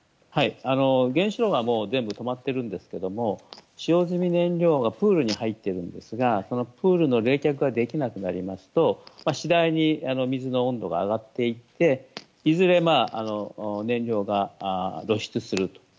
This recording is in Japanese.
原子炉が全部止まっているんですけれども使用済み燃料がプールに入っているんですがプールの冷却ができなくなりますと次第に水の温度が上がっていっていずれ燃料が露出する。